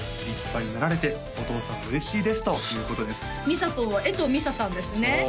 「立派になられてお父さん嬉しいです」ということですみさぽんは衛藤美彩さんですね